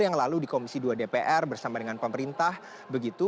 yang lalu di komisi dua dpr bersama dengan pemerintah begitu